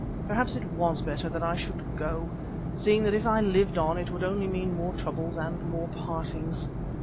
Perhaps it was better that I should go, seeing that if I lived on it would only mean more troubles and more partings.